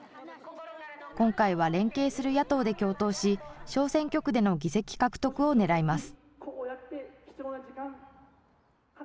今回は、連携する野党で共闘し、小選挙区での議席獲得を狙います。